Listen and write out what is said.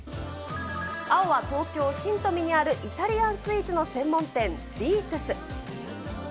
青は東京・新富にあるイタリアンスイーツの専門店、リートゥス。